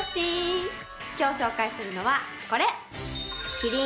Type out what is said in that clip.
今日紹介するのはこれ。